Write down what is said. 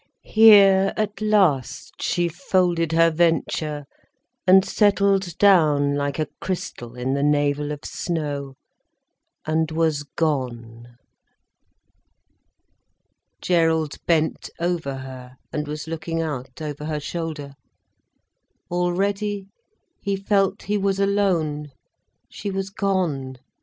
Here at last she folded her venture and settled down like a crystal in the navel of snow, and was gone. Gerald bent above her and was looking out over her shoulder. Already he felt he was alone. She was gone.